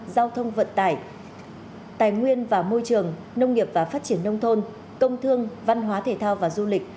giao thông vận tải tài nguyên và môi trường nông nghiệp và phát triển nông thôn công thương văn hóa thể thao và du lịch